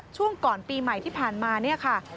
ช่วงก่อนปีใหม่ที่ผ่านมาเนี่ยค่ะ